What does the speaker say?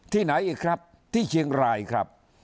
ไหนอีกครับที่เชียงรายครับ